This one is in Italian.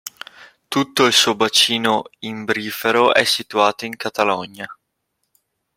Tutto il suo bacino imbrifero è situato in Catalogna.